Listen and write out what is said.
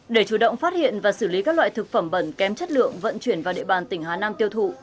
để chủ động phát hiện và xử lý các loại thực phẩm bẩn kém chất lượng vận chuyển vào địa bàn tỉnh hà nam tiêu thụ